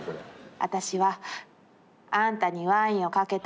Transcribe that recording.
「あたしはあんたにワインをかけた」。